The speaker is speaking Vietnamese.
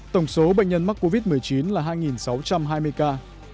tổng số bệnh nhân mắc covid một mươi chín là hai sáu trăm hai mươi ca